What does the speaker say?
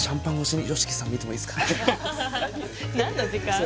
何の時間？